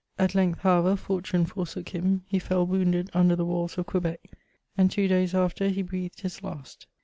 At length, however, fortune forsook him ; he fell wounded under the walls of Quebec, and two days after ho breathed his last.